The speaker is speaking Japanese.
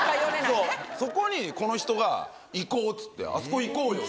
そうそこにこの人が行こうっつってあそこ行こうよ。